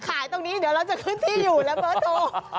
ขายตรงนี้เดี๋ยวเราจะขึ้นที่อยู่แล้วเบิร์ตโทร